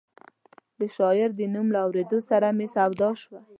د شاعر د نوم له اورېدو سره مې سودا شوه.